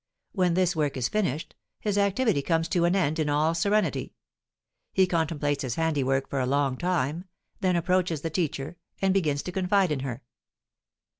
When this work is finished, his activity comes to an end in all serenity; he contemplates his handiwork for a long time, then approaches the teacher, and begins to confide in her.